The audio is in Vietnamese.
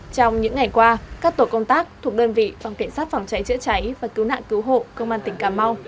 trong những ngày qua các tổ công tác thuộc đơn vị phòng cảnh sát phòng cháy chữa cháy và cứu nạn cứu hộ công an tỉnh cà mau